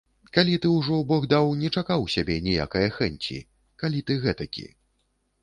Каб ты ўжо, бог даў, не чакаў сябе ніякае хэнці, калі ты гэтакі.